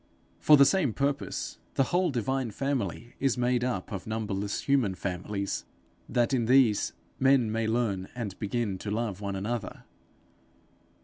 For the same purpose, the whole divine family is made up of numberless human families, that in these, men may learn and begin to love one another.